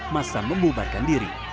mas sam membubarkan diri